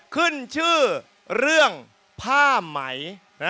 ขึ้นชื่อเรื่องภาหมาย